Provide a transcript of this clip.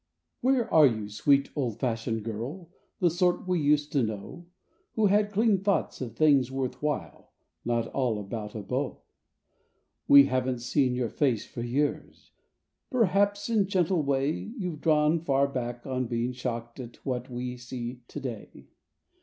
ARE you, sweet old r fashioned girl, the sort we used to know. Who had clean thoughts of things worth while, not all about a beau? We haven't seen your face for years; per¬ haps in gentle way You've drawn far back on being shocked at what we see to day.